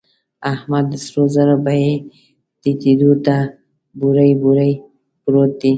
احمد د سرو زرو بيې ټيټېدو ته بوړۍ بوړۍ پروت دی.